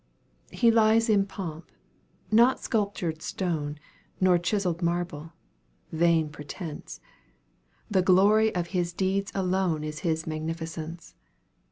He lies in pomp not sculptured stone, Nor chiseled marble vain pretence The glory of his deeds alone Is his magnificence.